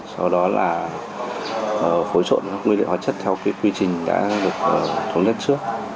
sau đó là phối trộn các nguyên liệu hóa chất theo quy trình đã được thống nhất trước